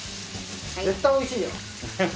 絶対おいしいやん。